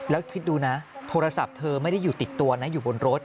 แล้วคิดดูนะโทรศัพท์เธอไม่ได้อยู่ติดตัวนะอยู่บนรถ